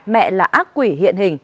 mẹ là ác quỷ hiện hình